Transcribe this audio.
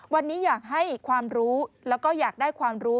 วันนี้อยากให้ความรู้แล้วก็อยากได้ความรู้